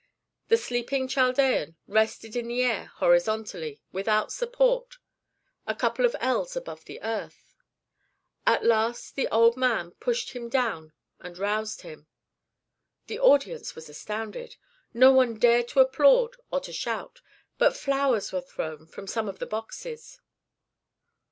The sleeping Chaldean rested in the air horizontally, without support, a couple of ells above the earth. At last the old man pushed him down and roused him. The audience was astounded; no one dared to applaud or to shout, but flowers were thrown from some boxes.